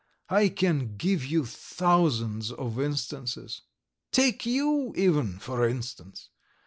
I can give you thousands of instances. Take you, even, for instance!